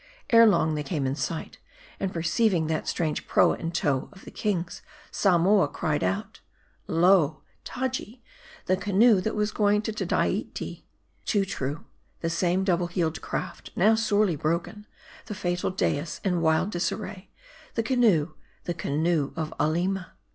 Ere long they came in sight ; and perceiving that strange proa in tow of the king's, Samoa cried out :" Lo ! Taji, the canoe that was going to Tedaidee !" Too true ; the same double keeled craft, now sorely bro ken, the fatal dais in wild disarray : the canoe, the canoe of Aleema